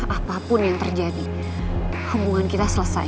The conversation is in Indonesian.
apapun yang terjadi hubungan kita selesai